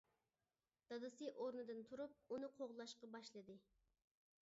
دادىسى ئورنىدىن تۇرۇپ ئۇنى قوغلاشقا باشلىدى.